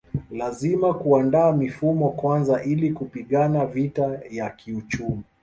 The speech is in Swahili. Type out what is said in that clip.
Lazima kuandaa mifumo kwanza ili kupigana vita ya kiuchumi